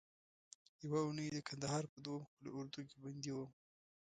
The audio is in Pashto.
یوه اونۍ د کندهار په دوهم قول اردو کې بندي وم.